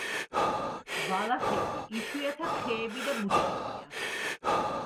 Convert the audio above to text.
ბალახები, იშვიათად ხეები და ბუჩქებია.